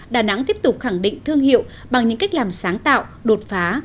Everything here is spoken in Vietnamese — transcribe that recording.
đà nẵng tiếp tục khẳng định thương hiệu bằng những cách làm sáng tạo đột phá